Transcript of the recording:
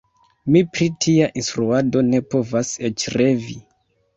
Mi pri tia instruado ne povas eĉ revi.